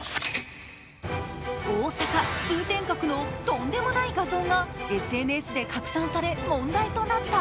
大阪・通天閣のとんでもない画像がＳＮＳで拡散され、問題となった。